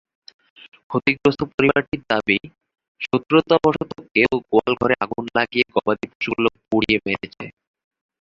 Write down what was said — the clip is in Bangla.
ক্ষতিগ্রস্ত পরিবারটির দাবি, শত্রুতাবশত কেউ গোয়ালঘরে আগুন লাগিয়ে গবাদিপশুগুলো পুড়িয়ে মেরেছে।